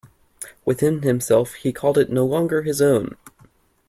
Within himself he called it no longer his own.